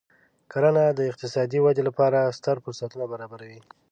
کرنه د اقتصادي ودې لپاره ستر فرصتونه برابروي.